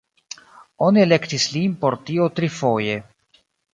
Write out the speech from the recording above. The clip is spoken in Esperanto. Oni elektis lin por tio trifoje.